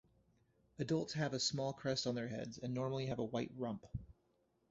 Adults have a small crest on their heads, and normally have a white rump.